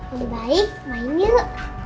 om baik main yuk